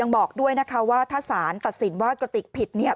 ยังบอกด้วยนะคะว่าถ้าศาลตัดสินว่ากระติกผิดเนี่ย